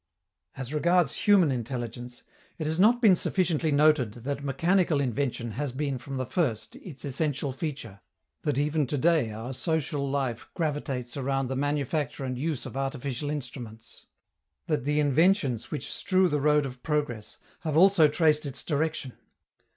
As regards human intelligence, it has not been sufficiently noted that mechanical invention has been from the first its essential feature, that even to day our social life gravitates around the manufacture and use of artificial instruments, that the inventions which strew the road of progress have also traced its direction.